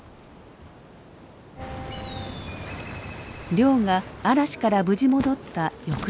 亮が嵐から無事戻った翌日。